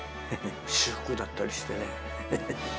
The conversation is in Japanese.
至福だったりしてね。